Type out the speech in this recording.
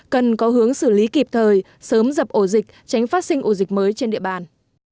cần có hướng xử lý kịp thời sớm dập ổ dịch tránh phát sinh ổ dịch mới trên địa bàn